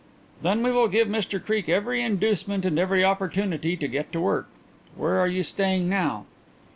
"Then we will give Mr Creake every inducement and every opportunity to get to work. Where are you staying now?"